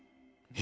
え？